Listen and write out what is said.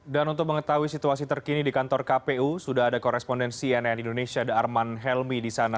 dan untuk mengetahui situasi terkini di kantor kpu sudah ada korespondensi cnn indonesia ada arman helmi di sana